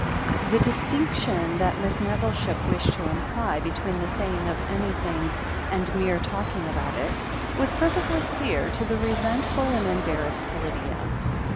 The distinction that Miss Nettleship wished to imply between the saying of anything and mere talking about it, was perfectly clear to the resentful and embarrassed Lydia.